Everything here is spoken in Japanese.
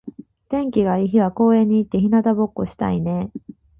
天気が良い日は公園に行って日向ぼっこしたいね。